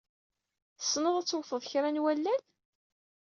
Tessneḍ ad tewteḍ kra n wallal?